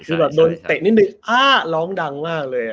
คือแบบโดนเตะนิดนึงอ้าร้องดังมากเลย